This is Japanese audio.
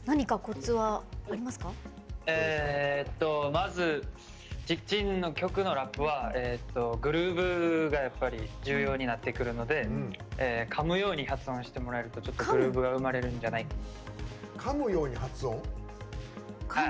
まず「ＪＩＫＪＩＮ」の曲のラップはグルーヴが重要になってくるのでかむように発音してもらうとグルーヴが生まれるんじゃないかと。